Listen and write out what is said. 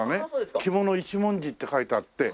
「きもの一文字」って書いてあって。